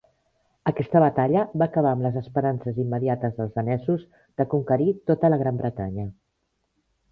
Aquesta batalla va acabar amb les esperances immediates dels danesos de conquerir tota la Gran Bretanya.